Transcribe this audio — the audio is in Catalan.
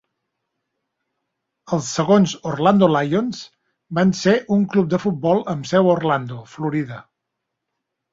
Els segons Orlando Lions van ser un club de futbol amb seu a Orlando, Florida.